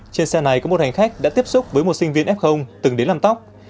trên xe này có một hành khách đã tiếp xúc với một sinh viên f từng đến làm tóc